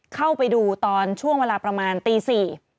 เข้าไปดูตอนช่วงเวลาประมาณตี๔